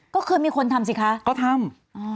ก็เคยมีคนทำสิคะก็ทำ